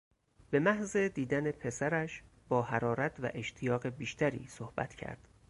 به محض دیدن پسرش با حرارت و اشتیاق بیشتری صحبت کرد.